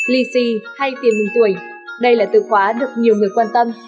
lì xì hay tiền mừng tuổi đây là từ khóa được nhiều người quan tâm